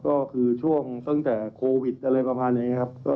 ก็คือช่วงตั้งแต่โควิดอะไรประมาณอย่างนี้ครับ